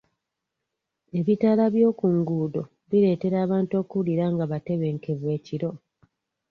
Ebitaala by'oku nguudo bireetera abantu okuwulira nga batebenkevu ekiro.